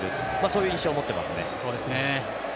そういう印象を持っていますね。